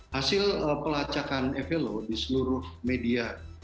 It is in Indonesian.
hasil pelacakan evelo di seluruh media